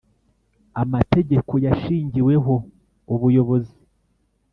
amategeko yashingiweho ubuyobozi